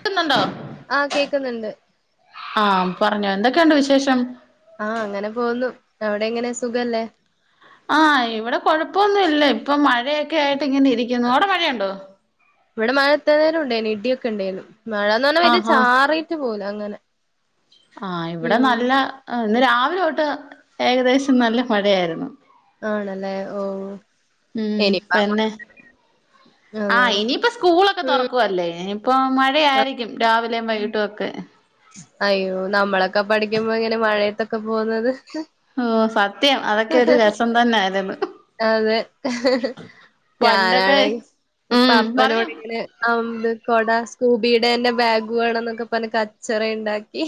ട്ടുന്നുണ്ടോ ആഹ് കേക്ന്ന്ണ്ട് ആഹ് പറഞ്ഞോ എന്തൊക്കെണ്ട് വിശേഷം ആഹ് അങ്ങനെ പോന്നു അവിടെ എങ്ങനെ സുഖല്ലേ ആഹ് ഇവിടെ കുഴപ്പൊന്നുല്ല ഇപ്പൊ മഴയൊക്കെ ആയിട്ട് ഇങ്ങനെ ഇരിക്കുന്നു അവിടെ മഴയുണ്ടോ ഇവിടെ മഴ എത്ര നേരം ഉണ്ടായിരുന്നു ഇടിയൊക്കെ ഉണ്ടായിരുന്നു മഴ എന്ന് പറഞ്ഞാൽ വലിയ ആഹ് ആഹ് ചാറിട്ട് പോല അങ്ങനെ ആഹ് ഇവിടെ ഉം നല്ല ഇന്ന് രാവിലെ തൊട്ട് ഏകദേശം നല്ല മഴയായിരുന്നു ആണല്ലേ ഓ ഉം എനിപ്പ പിന്നെ ആഹ് അതാണ് ഇനിയിപ്പോ സ്കൂളൊക്കെ ഉം തുറക്കുവല്ലേ ഇപ്പോ മഴ ആയിരിക്കും രാവിലെയും വൈകീട്ടും ഒക്കെ അയ്യോ നമ്മളെക്കെ പഠിക്കുമ്പോ ഇങ്ങനെ മഴയത്തൊക്കെ പോകുന്നത് ഓഹ് സത്യം അതൊക്കെ ഒരു രസം തന്നായിരുന്നു അതെ പണ്ടൊക്കെ ഞാനാണെങ്കി ഇപ്പോ ഉം പറഞ്ഞോ അപ്പനോട് ഇങ്ങനെ ഒന്നാമത് കുട സ്കൂബിടെ തന്നെ ബാഗ് വേണമെന്നൊക്കെ പറഞ്ഞ് കച്ചറ ഉണ്ടാക്കി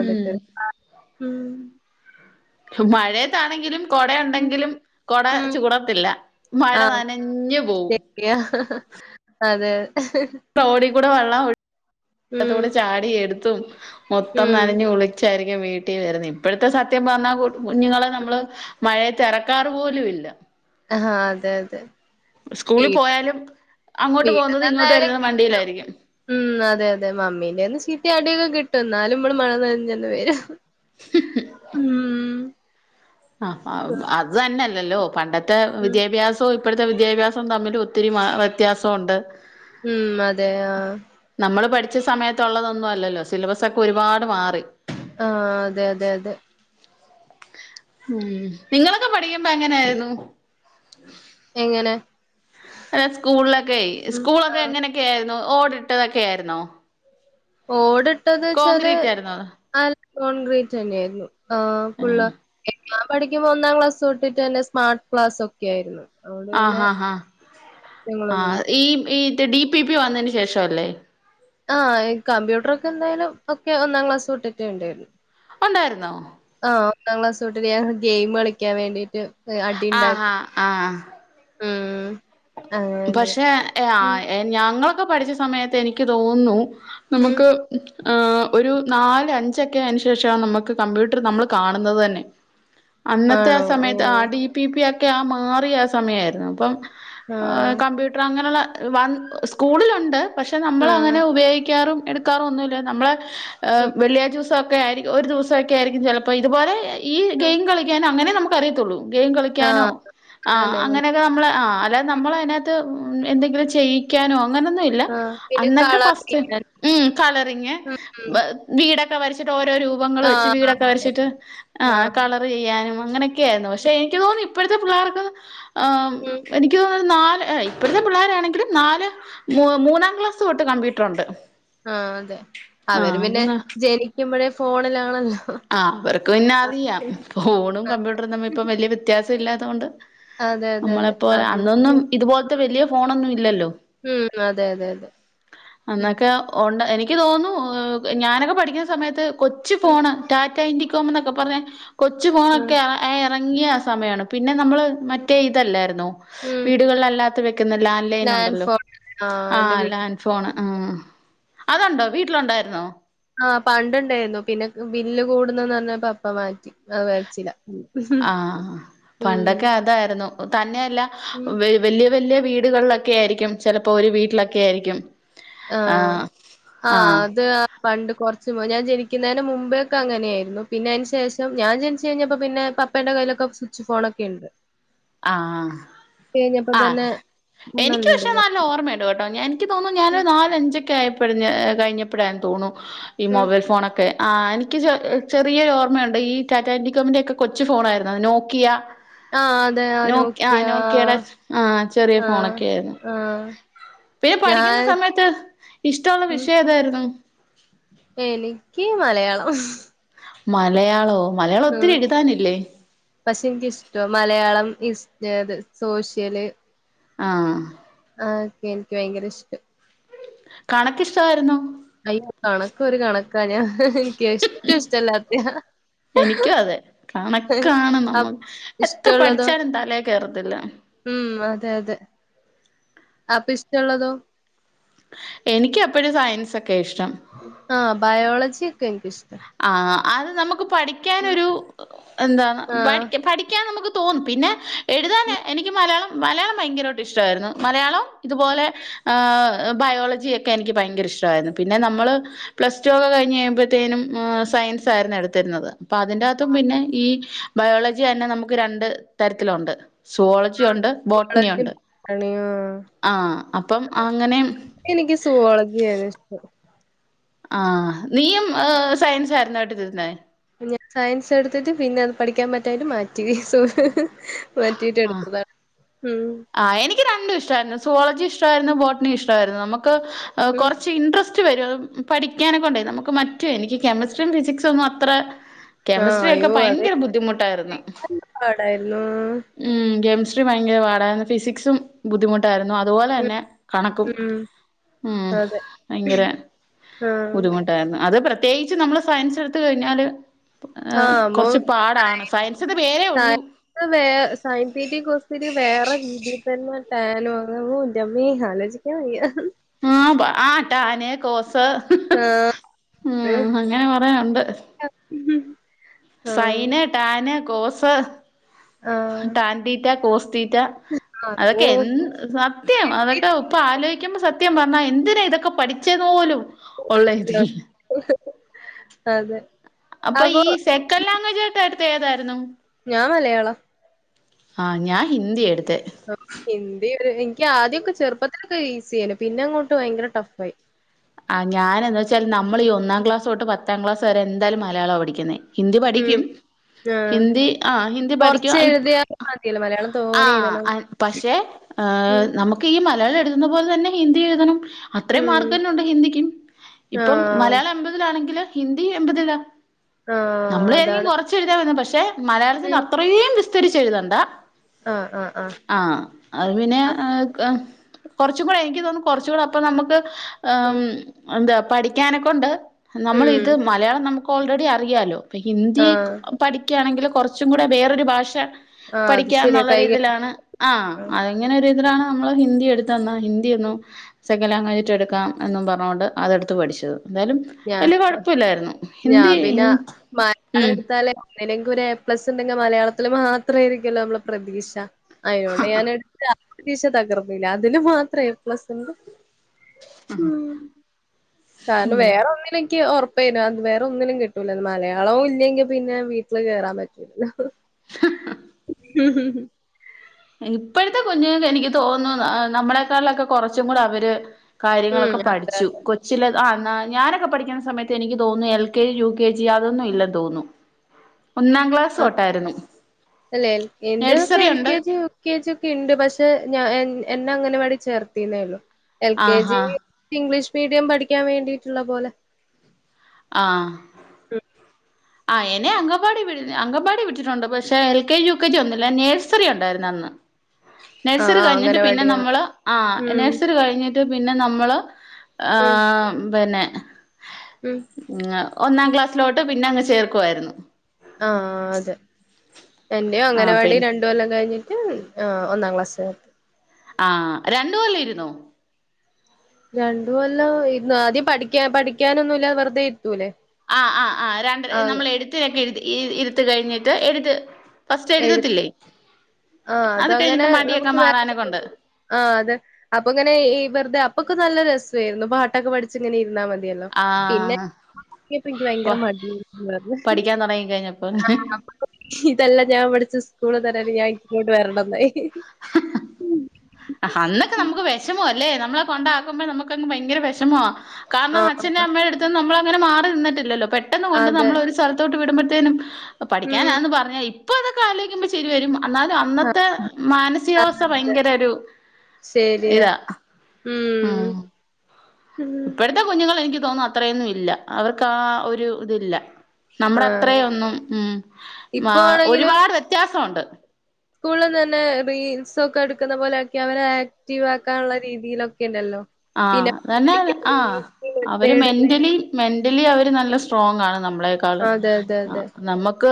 ഉം [unintelligible] മഴയത്താണെങ്കിലും കുട ഉം ഉണ്ടെങ്കിലും കുട ഉം ചൂടത്തില്ല മഴ നനഞ്ഞു പോവും യാ അതെ റോഡിൽ കൂടെ വെള്ളം [unintelligible] ഉം കൂടെ ചാടി എടുത്തും മൊത്തം ഉം നനഞ്ഞ് കുളിച്ചായിരിക്കും വീട്ടിൽ വരുന്നത് ഇപ്പോഴത്തെ സത്യം പറഞ്ഞാ കുഞ്ഞുങ്ങളെ നമ്മള് ഉം മഴയത്ത് എറക്കാറു പോലും ഇല്ല ആഹ് അതെ അതെ സ്കൂളിൽ വീട്ട് പോയാലും അങ്ങോട്ട് വീട്ട്ന്ന് പോകുന്നതും ഇങ്ങോട്ട് എന്തായാലും വരുന്നതും കിട്ടും വണ്ടിയിലായിരിക്കും ഉം അതെ അതെ മമ്മീന്റെന്ന് ചീത്ത യും അടി ഒക്കെ കിട്ടും. ഇന്നാലും ഇമ്മള് മഴ നനഞ്ഞെന്ന് വരും ഉം അഹ് അത് തന്നെയല്ലല്ലോ പണ്ടത്തെ ഉം വിദ്യാഭ്യാ സം ഇപ്പഴത്തെ വിദ്യാഭ്യാസം തമ്മിലും ഒത്തിരി മാ വ്യെത്യാസോ ഒണ്ട് ഉം അതെ ആഹ് നമ്മള് പഠിച്ച സമയത്തൊ ഒള്ളതൊന്നു അല്ലല്ലോ. സിലബസ് ഒക്കെ ഒരുപാട് മാറി. ആഹ് അതെ അതെ അതെ ഉം ഇങ്ങളൊക്കെ പഠിക്കുമ്പ എങ്ങനെയായിരുന്നു. എങ്ങെനെ അല്ല സ്കൂളിലൊക്കെയേ സ്കൂളൊക്കെ ആഹ് എങ്ങനെയൊക്കെ ആയിരുന്നു. ഓടിട്ടതൊക്കെ ആയിരുന്നോ ഓടിട്ടതെന്ന് വെച്ചാല് കോൺക്രീറ്റ് ആയിരുന്നോ അ കോൺക്രീറ്റെന്നെ ആയിരുന്നു. ആഹ് ഫുള്ള്. ഞാൻ പഠിക്കുമ്പോ ഒന്നാം ക്ലാസ് തൊട്ടിട്ട് തന്നെ സ്മാർട്ട്ക്ലാസും ക്കേ ആയിരുന്നു. അതോണ്ട് ആഹ് പിന്നെ ഹാ ഹാ ആ [unintelligible] ഈ ഈറ്റിട് ഡി പി പി വന്നതിന് ശേഷം അല്ലേ ആഹ് ഈ കമ്പ്യൂട്ടർ ഒക്കെ എന്തായാലും ഒക്കെ ഒന്നാം ക്ലാസ് തൊട്ടിട്ടെ ഇണ്ടായിരുന്നു. ഉണ്ടായിരുന്നോ ആഹ് ഒന്നാം ക്ലാസ് തൊട്ടിട്ട് ഞാ ഗെയിം കളിക്കാൻ വേണ്ടീട്ട് അടി ആഹ് ഹാ ഇണ്ടാക്കും. ഉം അങ്ങനെ പക്ഷേ ഉം ആഹ് എ [unintelligible] ഞങ്ങളൊക്കെ പഠിച്ച സമയത്ത് എനിക്ക് തോന്ന്ന്നു. ഉം നമുക്ക് ഒരു നാല് അഞ്ചൊക്കെ ആയെനു ശേഷവാ നമക്ക് കമ്പ്യൂട്ടറ് നമ്മള് കാണുന്നത് തന്നെ അന്നത്തെ ആ ആണോ ഓ സമയത്ത് ആ ഡി പി പി ഒക്കെ ആ മാറിയ ആഹ് സമയ ആയിരുന്നു അപ്പം ആഹ് കമ്പ്യൂ ട്ടറ് അങ്ങനെള്ള വാ സ്കൂളിലുണ്ട്. പക്ഷേ നമ്മള് ആഹ് അങ്ങനെ ഉപയോഗിക്കാറും എടു ക്കാറൊന്നു ഇല്ല. നമ്മള് ഉം വെള്ളിയാഴ്ച്ച ഉസൊക്കെ ആയിരിക്കും ഒരു ദിവസൊക്കെ ആയിരിക്കും ചെ ലപ്പോ ഇതുപോലെ ഈ ഉം ഗെയിം കളിക്കാനോ അങ്ങനെ നമുക്ക് അറിയത്തൊള്ളൂ. ഗെയിം കളിക്കാനോ ആഹ് ആ അതന്നെ അങ്ങനെ നമ്മള് ആഹ് അല്ലാതെ നമ്മള് അതിനകത്ത് എന്തെങ്കിലും ചെയ്യിക്കാനോ അങ്ങനൊന്നും ഇ ഇല്ല ആഹ് പിന്നെ അന്നൊക്കെ കളർ ഫസ്റ്റ് ചെയ്യാൻ ഉം കളറിങ്ങ് ഉം ഉം വീടെക്കെ വരച്ചിട്ട് ഓരോ രൂപങ്ങള് വച്ച് ആഹ് വീടൊക്കെ അതെ വരച്ചിട്ട് ആഹ് കള റ് ചെയ്യാനും അങ്ങനെയൊക്കെ ആയിരുന്നു. പക്ഷേ എനിക്ക് തോന്നുന്നു ഇപ്പഴത്തെ പിള്ളാർക്ക് എ ഉം എനിക്ക് തോന്നുന്ന് ഒരു നാല് ഇപ്പഴത്തെ പിള്ളാരാണെങ്കില് നാല് മൂന്നാം ക്ലാസ് തൊട്ട് കമ്പ്യൂട്ടർഉണ്ട് ആ ഹ് അതെ അവര് പിന്നെ ജനിക്കുമ്പഴേ ഫോണിലാണല്ലോ ആഹ് അവർക്ക് പിന്നെ അറിയാം. ഫോണും കമ്പ്യൂട്ട്രറും തമ്മിപ്പൊ വല്യ വ്യത്യാസം ഇല്ലാതോണ്ട്. അതെ അതെ അതെ നമ്മളെപ്പോലെ അന്നൊന്നും അവർക്ക് ഇതുപോൽത്തെ വല്യ ഫോണൊന്നും ഇല്ലല്ലോ ഉം അതെ അതെ അതെ അന്നൊക്കെ ഒണ്ട്. എനിക്ക് തോന്നു ഞാനൊക്കെ പഠിക്കുന്ന സമയത്ത് കൊച്ചു ഉം ഫോണ്. ടാറ്റ ഇൻഡികോംന്നൊക്കെ പറഞ്ഞ കൊച്ചു ഉം ഫോണൊക്കെ ആഹ് എറങ്ങിയ ആ സമയാണ് പിന്നെ നമ്മള് ഉം മറ്റേ ഇതെല്ലാര്ന്നോ. ഉം വീടുകളല്ലാത്ത വെക്കുന്ന ലാൻ ലാൻഡ് ലൈനുണ്ടല്ലോ ഫോൺ ആഹ് ആ എന്റെ വീട്ടിൽ ലാൻഡ് ഫോണ് ആഹ് അതുണ്ടോ? വീട്ടിലൊണ്ടായ്രുന്നോ? ആഹ് പണ്ടുണ്ടായ്ന്നു. പിന്നെ ബില്ല് കൂടുന്നെന്നർഞ്ഞപ്പൊ അപ്പ മാറ്റി. അത് വേട്ച്ചില്ല. ആ പണ്ടൊക്കെ അതായ്ര്ന്നു തന്നെയല്ല ഉം വെ വെല്യ വെല്യ വീടുകളിലൊക്കെ ആയിരിക്കും ചെലപ്പോ ഒരു വീട്ടിലൊക്കെ ആയിരിക്കും. ആഹ് ആഹ് അത് ആ പണ്ട് കൊറച്ചു മും ഞാ ജെനിക്കുന്നേന് മുമ്പേക്കെ അങ്ങനെയായിരുന്നു. പിന്നെ അയ്ന്ശേഷം ഞാൻ ജനിച്ചഴ്ഞ്ഞപ്പോ പിന്നെ പപ് പ്പേടെ കയ്യിലൊക്കെ സുച്ച് ഫോണൊക്കെയിണ്ട് ആഹ് തന്നെ ആഹ് എനിക്ക് ഫോണുണ്ട് പക്ഷെ നല്ല ഓർമ്മയു ണ്ടോട്ടോ ഞാൻ ഇൻക്ക് തോന്നുന്നു. ഞാൻ ഉം ഒരു നാലഞ്ചൊക്കെ ആയപ്പയന്നെ കഴിഞ്ഞപ്പെയ തോണു. ഈ ഉം മൊബൈൽ ഫോണൊക്കെ ആഹ് എനിക്ക് ച്ചെ ചെറിയ ഓർമ്മയുണ്ട് ഈ ടാറ്റ ഇന്റിക്കോമിന്റെ ഒക്കെ കൊച്ചു ഫോണായിരുന്നുഅത്. നോക്കിയ ആഹ് അതെ ആഹ് നോക്കിയ ആ നോക്കിയെടെ ആഹ് ചെറിയ ആഹ് ഫോണൊക്കെ ആയിരുന്നു ആഹ് പിന്നെ പഠിക്കുന്ന ഞാൻ സമയത്ത് ഇഷ്ടള്ള ഉം വിഷയേതായിരുന്നു? എനിക്ക് മലയാളം മലയാളോ? മലയാളം ഒത്തിരി ഉം എഴുതാനില്ലേ? പക്ഷെ എനിക്കിഷ്ട. മലയാളം, ഹിസ്റ്റ, സോഷ്യല്. ആഹ് ആഹ് ഓക്കെ എനിക്ക് ഭയങ്കര ഇഷ്ടം കണക്കിഷ്ടവായിരുന്നോ? അയ്യോ കണക്കൊരു കണക്കാ ഞാ എനിക്കെറ്റുംഷ്ട്ടല്ലാത്തയാ. എനിക്കും അതെ. കണക്കാണ് അപ് നമ്മക്ക് എത്ര ഇഷ്ടമുള്ളതോ പഠിച്ചാലും തലെ കേറത്തില്ല. ഉം അതെ അതെ അപ്പഷ്ട്ടള്ളതോ എനിക്കപ്പഴും സയൻസൊക്കെ ഇഷ്ടം ആഹ് ബയോളജിയൊക്കെ എൻക്കി ഷ്ട്ട. ആഹ് അത് നമുക്ക് പഠിക്ക്യാനൊരു എന്ത ആഹ് പഠിക്കാ പഠിക്ക്യാൻ നമുക്ക് തോന്നും. പിന്നെ എഴുതാന് എനിക്ക് മലയാളം മലയാളം ഭയങ്കരവായിട്ട് ഇഷ്ട്ടവായിരുന്നു. മലയാളവും ഇതുപോലെ ഏഹ് ബയോളജിയെക്കെ എനിക്ക് ഭയങ്കര ഇഷ്ടവായിരുന്നു. പിന്നെ നമ്മള് പ്ലസ്ടുവൊക്കെ കഴിഞ്ഞഴ് യുമ്പത്തേനും ആഹ് സയൻസ് ആയിരുന്നു എടുത്തിരുന്നത്. അപ്പതിന്റകത്തും പിന്നെ ഈഹ് ബയോളജിയന്നെ നമുക്ക് രണ്ട് തരത്തിലുണ്ട് സുവോളജിയുണ്ട് സുവോളജി ബോട്ടണിയുണ്ട് ബോട്ടണി ആഹ് അപ്പം അങ്ങനെം എനിക്ക് സുവാജിയാണിഷ്ടം ആഹ് നീയും സയൻസായിരുന്നേ എട്തിരുന്നേ? ഞാൻ സയൻസെടുത്തിട്ട് പിന്നെ അത് പഠിക്കാം പറ്റായിട്ട് മാറ്റി. ആഹ് മാറ്റിട്ടെടുത്തതാണ്. ഉം ആഹ് എനിക്ക് രണ്ടും ഇഷ്ടവായിരുന്നു. സോളജി ഇഷ്ടവാരുന്നു ബോട്ടണി ഇഷ്ട വായിരുന്നു. നമക്ക് ഉം കൊറച്ച് ഇൻട്രസ്റ്റ് സ്റ്റ് വരും. പഠിക്കാനെകൊണ്ടെ നമുക്ക് മറ്റു എനിക്ക് കെമിസ്ട്രിം ഫിസിക്സൊന്നും അത്ര ആഹ് കെമിസ്ട്രിയൊക്കെ അയ്യോ അതെ ഭയങ്കര ബുദ്ധിമുട്ടായിരുന്നു. നല്ല പാടായിരുന്നു ഉം കെമിസ്ട്രി ഭയങ്കര പാടായിരുന്നു. ഫിസിക്സും ബുദ്ധിമുട്ട് ട്ടായിരുന്നു ഉം അതുപോലെന്നെ കണക്കും ഉം ഉം അതെ ഭയങ്കര ആഹ് ബുദ്ധിമു അത് പ്രത്യേകിച്ച് നമ്മള് സയൻസ് എടുത്ത് കഴിഞ്ഞാല് ഏഹ് ആഹ് അപ്പൊ കൊറച്ച് പാടാണ് സയൻസ്ത് പേരേ ഉള്ളു. സയൻസ് വേ [unintelligible] വേറെ ണ്ട് [unintelligible] ട്ടാനോ [unintelligible] ഇന്റെ ഇമ്മേ ആലോചിക്കാൻ വയ്യ ആഹ് ബാ ട്ടാൻ കോസ് ആഹ് ഉം അങ്ങനെ കൊറേ ഉണ്ട് ഉം സൈന് ടാന് കോസ് ആഹ് ടാൻടീറ്റ കോസ്റ്റീറ്റ അപ്പോ അതൊക്കെ എന്ത് സത്യം അതൊക്കെ ഇപ്പ ആലോചിക്കുമ്പോ സത്യം പറഞ്ഞാ എന്തിന ഇതൊക്കെ പഠിച്ചത് പോലും ഒള്ള ഇതില്ല അതെ അപ്പൊ ഈ സെക്കൻഡ് ലാംഗ്വേജ് ആയിട്ട് എടുത്ത ഏതായിരുന്നു ഞാൻ മലയാളം ആഹ് ഞാൻ ഹിന്ദി എടുത്ത ഹിന്ദി ഒരു എനിക്ക് ആദ്യക്കെ ചെറുപ്പത്തിലൊക്കെ ഈസിയാണ് പിന്നെ അങ്ങോട്ട് ഭയങ്കര ടഫ് ആയി ആ ഞാാന എാ വെച്ചാല് നമ്മൾ ഈ ഒന്നാം ക്ലാസ് തൊട്ട് പത്താം ക്ലാസ് വരെ എന്തായാലും മലയാളം പഠിക്കുന്നെ ഹിന്ദി ഉം പഠിക്കും ആഹ് ഹിന്ദി ആഹ് ഹിന്ദി പഠിക്കു കൊറച്ച് എഴുതിയാലും മതിയല്ലോ മലയാളം തോനെ ആഹ് എഴുതണം അൻ പക്ഷെ ഏഹ് ഉം നമുക്ക് ഈ മലയാളം എഴുതുന്ന പോലെ തന്നെ ഹിന്ദി എഴുതണം അത്രയും ഉം മാർക്ക് തന്ന ഉണ്ട് രിക്കും ഇപ്പം ആഹ് മലയാളം എൺപതിലാണെങ്കില് ഹിന്ദി എൺപതിലാ ആഹ് നമ്മള് ചാരിക്കും അതാണ് കൊറച്ച് എഴുതാ മതി പക്ഷെ മലയാളത്തിന് ഉം അത്രയും വിസ്തരിച്ച് എഴുതണ്ട ആഹ് ആഹ് ആഹ് ആഹ് അത് പിന്നെ കുറച്ച്കൂടെ എനിക്ക് തോന്നും കുറച്ച് കൂടെ അപ്പം നമ്മക്ക് ഉം എന്താ പഠിക്കാനെക്കൊണ്ട് നമ്മൾ ഉം ഇത് മലയാളം നമുക്ക് ഓൾറെഡി അറിയാലോ പ്പ ഹിന്ദി ആഹ് പഠിക്കയാണെങ്കിൽ കുറച്ചും കൂടെ വേറൊരു ഭാഷ ആഹ് അത് ശരിയാ കൈ പഠിക്കാന്നുള്ളര് തിലാണ് ആഹ് അതെങ്ങനെ ഇതിലാണ് നമ്മള് ഹിന്ദി എടുത്ത് തന്നാ ഹിന്ദി ഒന്നും സെക്കൻഡ് ലാംഗ്വേജ് യിട്ട് എടുക്കാം എന്നും പറഞ്ഞുകൊണ്ട് അതെടുത്ത് പഠിച്ചത് എന്തായാലും ഞാ വല്യയ കുഴപ്പില്ലായിരുന്നു ഞാൻ ഹിന്ദി ഉം എങ്ങനെങ്കും ഒരു എ പ്ലസ് ണ്ടെങ്കി മലയാളത്തില് മാത്രയ്രിക്കല്ലോ നമ്മള പ്രതീക്ഷ അയോണ്ട് ഞൻ എടുത്ത് ആ പരീക്ഷ തകർന്ന്ല അതില് മാത്രം ഏ പ്ലസ് ണ്ട് മ് കാരണം വേ ഒന്നിലും ന് ക്ക് ഉറപ്പേന്നു അത് വേറെ ഒന്നിലും കിട്ടൂല മലയാളവും ഇല്ലെങ്കി പിന്നെ വീട്ടിൽ കേയറൻ പറ്റും [inaudible] ഇപ്പോഴത്തെ കുഞ്ഞുങ്ങൾക്ക് എനിക്ക് തോന്നുന്നു ന നമ്മളേക്കാളിലൊക്കെ കുറച്ചും കൂടെ അവര് ഉം കാര്യങ്ങളൊക്കെ അതെ പഠിച്ചു കൊ ചില ആ ഞാനൊക്കെ പഠിക്കുന്ന സമയത്ത് എനിക്ക് തോന്നുന്നു L K G U K G അതൊന്നും ഇല്ലെന്ന് തോന്നുന്നു ഒന്നാം ക്ലാസ് ആഹ് തൊട്ടായിരുന്നു അല്ലെ എന്റെ ന്തൊക്കെ നഴ്സറി എൽ ഉണ്ട് K G U K G ഒക്കെ ഇണ്ട് പക്ഷെ ഞാൻ എന്നെ അംഗനവാടി ചേർത്തിന്നേള്ളു എൽ കെ ജി ആഹാ ഇംഗ്ലീഷ് മീഡീയം പഠിക്കാൻ വേണ്ടിയിട്ട്ള്ള പോലെ ആഹ് ആഹ് എന്നെ അങ്കവാടി വി അങ്കവാടി വീട്ടിട്ടുണ്ട് പക്ഷെ L K G U K G ഒന്നുല്ല നേഴ്സറി ഉണ്ടായിരുന്നു അന്ന് ആഹ് നഴ്സറി ആഹ് കഴിഞ്ഞിട്ട് പിന്നെ അംഗനവാടിയാ നമ്മള് ആഹ് ഉം നഴ്സറി കഴിഞ്ഞിട്ട് പിന്നെ നമ്മള് ഉം ഏഹ് പിന്നെ ഉം ഒന്നാം ക്ലാസ്സിലോട്ട് പിന്നെ അങ്ങ് ചേർക്കുയിരുന്നു ആഹ് അതെ എന്റെ ആ അംഗലവാടി പിന്നെ ര ണ്ട് കൊല്ലാം കഴിഞ്ഞിട്ട് ആ ഒന്നാം ക്ലാസ് ർ ആ രണ്ടു കൊല്ലം ഇുന്നോ രണ്ട് കൊല്ലം ഇര്ന്ന് ആദ്യം പഠിക്കാ പഠിക്കാനൊന്നുല്ലാ വെറുതെ ഇരുത്തൂല്ലേ ആഹ് ആഹ് ആഹ് രണ്ടര നമ്മൾ എഴുത്തരൊക്കെ ഇ ഇരുത്ത കഴിഞ്ഞിട്ട് എഴുത്ത് ഫസ്റ്റ് എഴു എഴുതത്തില്ലേ ആഹ് അത് അതങ്ങനെ കഴിഞ്ഞിട്ട് മടിയൊക്കെ നമുക്ക് വേറെ മാറാനകൊണ്ട് ആഹ് അതെ അപ്പ ങ്ങനെ വെറ്തെ അപ്പൊക്കെ നല്ല രസേര്ന്നു പാട്ടൊക്കെ പഠിച്ച് ഇങ്ങനെ ഇരുന്നാ മതി തിയല്ലോ ആ പിന്നെ ചേർ തയപ്പം ഇന്ക്ക് പ ഭയര മടിയേയ്ര്ന്നു പറ്ഞ്ഞ് പഠിക്കാൻ തുടങ്ങി കഴിഞ്ഞപ്പോ ആഹ് ഇതല്ല ഞാൻ പഠിച്ച സ്കൂള് ന്ന് റ്ഞ്ഞാണ്ട് ഞാൻ ന്ക്ക് ഇങ്ങോട്ട് വരണ്ണംന്നായി [inaudible] അന്നൊക്കെ നമ്മക്ക് വിഷമോ അല്ലേ നമ്മളെ കൊണ്ടാക്കുമ്പോ നമുക്കങ്ങ് ഭയങ്കര വിഷമോ കാരണം അച്ഛന്റെ ആഹ് അമ്മയുടെ അടുത്ത് നമ്മള അങ്ങന മാറി നിന്നിട്ടില്ലല്ലോ പെട്ടെന്ന് കൊണ്ട് അതെ നമ്മള ഒരു തോട്ട് വിടുമ്പോഴത്തേനും ഉം പഠിക്കാനാന്ന് പറഞ്ഞ ഇപ്പൊ അതൊക്കെ ആലോയിക്കുമ്പോ ചിരി വരും എന്നാലും അന്നത്തെ മാനസികാവസ്ഥ അതെ ഭയങ്കര ഒരു ശരിയാ ഇതാ ഉം പ്പത്തെ കുഞ്ഞുങ്ങൾ എനിക്ക് തോന്നും അത്രയൊന്നും ഇല്ല അവർക്ക് ആഹ് ഒരു ഇതില്ല നമ്മുടെ ആഹ് അത്രയെന്നും ഉം ഇപ്പൊ ആണെങ്കില് ഒരുപാട് വ്യത്യാസ്യം ണ്ട് സ്കൂളിൽ തന്നെ റീൽസ ഒക്കെ എടുക്കുന്ന പോലെയൊക്കെ അവരെ ആക്റ്റീവ് ആക്കാനുള്ള രീതിയിലൊക്കെ ണ്ടല്ലോ ആഹ് അതന്നെ ആഹ് അവര് മെത്തേഡ് മെന്റലി മെന്റലി അവര് നല്ല സ്ട്രോങ്ങാണ് നമ്മളെക്കാൾ അതെ അതെ ആ അതെ നമ്മക്ക്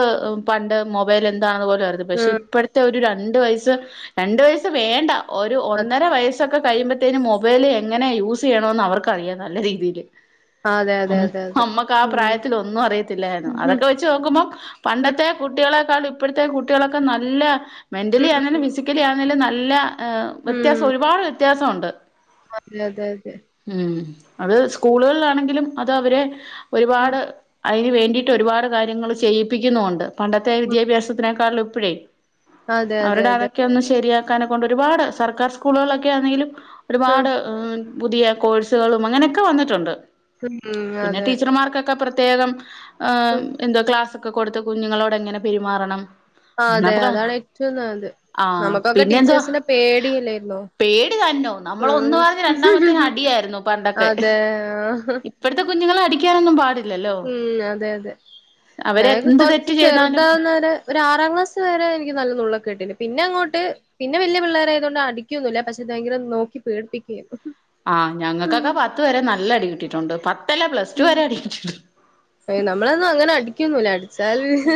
പണ്ട് മൊബൈൽ എന്താണെന്ന് പോലെ അരുത് പക്ഷെ ഉം ഇപ്പോഴത്തെ ഒരു രണ്ട് വയസ്സ് രണ്ട് വയസ്സ് വേണ്ട ഒരു ഒന്നര വയസ്സൊക്കെ കഴിയുമ്പഴത്തേന് മൊബൈല് ങ്ങനെ യൂസെയ്യണോന്ന് അവർക്കറിയാ നല്ല രീതില് അതെ അതെ അതെ അതെ അതെ ഉം അമ്മക്കാപ്രായത്തില് ഒന്നും അറിയത്തില്ലായിര്ന്നു ഉം അതൊക്കെ വെച്ച് നോക്കുമ്പോം ഉം പണ്ടത്തെ കുട്ട്യാളെക്കാളും ഇപ്പഴത്തെ കുട്ട്യാളൊക്കെ നല്ല മെന്റലി ഉം ആണെലും ഫിസിക്കലി ആണെലും നല്ല എ വ്യത്യാസം ഉം ഒരുപാട് വ്യത്യാസൊണ്ട് അതെ അതെ അതെ ഉം അത് സ്കൂളുകളിലാണെങ്കിലും അത് അവരെ ഉം ഒരുപാട് അയ്ന് വേണ്ടിട്ട് ഒരുപാട് കാര്യങ്ങൾ ചെയ്യിപ്പിക്കുന്നുണ്ട് പണ്ടത്തെ ഉം വിദ്യാഭ്യാസത്തിനേക്കാളിലും ഇപ്പഴേ അതെ അതെ അവര്ടെ അതെ അതൊക്കൊന്ന് ശെരിയാക്കാനെ കൊണ്ട് ഒരുപാട് സർക്കാർ സ്കൂളുകളൊക്കെ ആന്നേലും ഉം ഒരുപാട് പുതിയ കോഴ്സുകളും അങ്ങനൊക്കെ വന്ന്ട്ടുണ്ട് ഉം പിന്നെ അതെ ടീച്ചർമാർക്കൊ ക്കെ പ്രത്യേകം ഉം എന്തോ ക്ലാസ്സൊക്കെ കൊട്ത്ത് കുഞ്ഞുങ്ങളോടെങ്ങനെ പെരുമാറണം ആ അതെ അതാണ് ഏറ്റവും നല്ലത് ആ നമുക്കൊക്കെ പിന്നെന്തുവാ ടീച്ചേഴ്സിനെ പേടിയല്ലായിരുന്നോ പേടി തന്നോ നമ്മളൊന്ന് ഉം പർഞ് രണ്ടാമത്തതിന് അടിയായിരുന്നു പണ്ടൊക്കെ അതെ ഇപ്പഴത്തെ കുഞ്ഞുങ്ങളെ അടിക്കാനൊന്നും പാടി ഉം അതെ അതെ അവര് എക്ക് എന്ത് കൊർച്ച് തെറ്റ് ചെയ്താലും ചെർതാവ്ന്നവരെ ഒരാറാക്ലാസ് വരെ എനിക്ക് നല്ല നുള്ളൊക്ക കിട്ടിണ്ട് പിന്നങ്ങോട്ട് പിന്നെ വല്യ പിള്ളേരായതോണ്ട് അടിക്കൊന്നുല്ല പക്ഷെ ഭയങ്കര നോക്കി പേടിപ്പിക്കുകായിരുന്നു ആ ഞങ്ങക്കൊക്കെ പത്ത് വെരെ നല്ല അടി കിട്ടിട്ടുണ്ട് പത്തല്ല പ്ലസ് ടു വെരെ അടി കിട്ടിട്ടുണ്ട് ഏയ്‌ നമ്മളൊന്നുങ്ങനെ അടിക്കൊന്നുല്ല അട്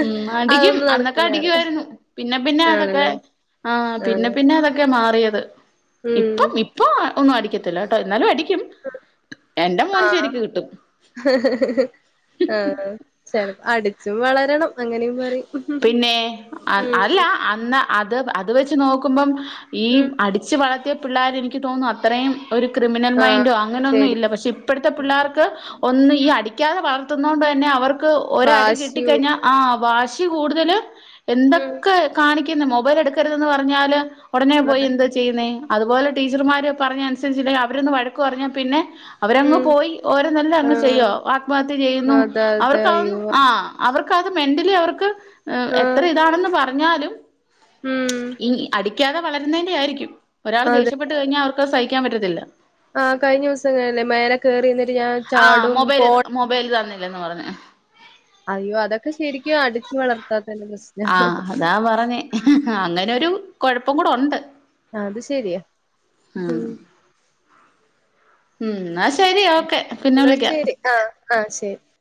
ഉം അടിക്കും അന്നൊക്കെ പറയാ അടിക്കായിരുന്നു പിന്നെ പിന്നെ അതൊക്കെ ആണല്ലേ ആ ആഹ് പിന്നെ പിന്നതൊക്കെ മാറിയത് ഉം ഇപ്പം ഇപ്പൊന്നും അടിക്കത്തില്ലട്ടോ എന്നാലും അടിക്കും എന്റെ മോന് ശെരിക്ക് കിട്ടും ആ ചെ അടിച്ചും വളരണം അങ്ങനീം പറയും പിന്നെ അല്ല അന്ന് അത് അത് വെച്ച് നോക്കുമ്പം ഈ ഉം അടിച്ചു വളർത്തിയ പിള്ളാര് എനിക്ക് തോന്ന്ന്നു അത്രേം ഒരു ക്രിമിനൽ ആഹ് മൈൻഡോ അങ്ങനെയൊന്നും ശരി ഇല്ല പക്ഷെ ഇപ്പഴ്ത്തെ പിള്ളേർക്ക് ഒന്നും ഈ അടിക്കാതെ വളർത്ത്ന്നോണ്ടെന്നെ അവർക്ക് ഒരടി വാശി കൂടും കിട്ടിക്കഴിഞ്ഞാ ആ വാശി കൂടുതലും ഉം എന്തൊക്കെ കാണിക്ക്ന്ന് മൊബൈലെടുക്കരുതെന്ന് പറഞ്ഞാല് ഒടനെ പോയി അതെ എന്താ ചെയ്യ്ന്നേ അതുപോലെ ടീച്ചർമാര് പറഞ്ഞ അനുസരിച്ചില്ലെ അവരൊന്ന് വഴക്ക് പറഞ്ഞാ പിന്നെ അവരങ്ങ് ഉം പോയി ഓരോന്നെല്ലങ്ങ് ചെയ്യാ ആഹ് ആത്മഹത്യ ചെയ്യുന്നു അതെ അതെ അവർക്കഒന്നും അയ്യോ ആ അവർക്ക് അത് മെന്റലി അവർക്ക് എത്ര ആഹ് ഇതാണെന്ന് പറഞ്ഞാലും ഉം ഇ അടിക്കാതെ വളരുന്നേന്റെ ആയിരിക്കും ഒരാള് ദേഷ്യ അതെ ശ്യപ്പെട്ട് കഴിഞ്ഞാ അവർക്കത് സഹിക്കാൻ പറ്റത്തില്ല ആ കഴിഞ്ഞ ദിവസന്നല്ലേ മേലെ കേറിരിന്ന്ട്ട് ഞാൻ ചാടും പോ പ്പേരി തന്നില്ലെന്ന് പർഞ്ഞ് അയ്യോ അതൊക്കെ ശെരിക്കും അടിച്ചു വളർത്താതതിന്റെ പ്രശ് ആ അതാ പറഞ്ഞേ അങ്ങനൊരു കൊഴപ്പങ്ങൂടൊണ്ട് അത് ശെരിയാ ഉം ഉം ന്നാ ശെരി ഓക്കെ പിന്നെ ന്നാ വിളിക്കാം ശെരി ആ ആ ശെരി